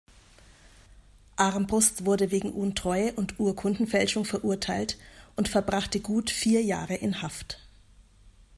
Armbrust wurde wegen Untreue und Urkundenfälschung verurteilt und verbrachte gut vier Jahre in Haft.